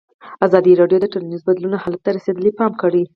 ازادي راډیو د ټولنیز بدلون حالت ته رسېدلي پام کړی.